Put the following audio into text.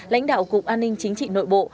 lãnh đạo cục an ninh chính trị nội bộ